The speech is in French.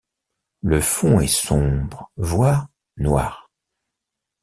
Le fond est sombre, voire noir.